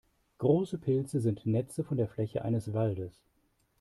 Große Pilze sind Netze von der Fläche eines Waldes.